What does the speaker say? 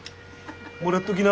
もらっとぎな。